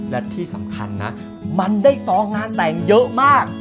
และที่สำคัญนะมันได้ซองงานแต่งเยอะมาก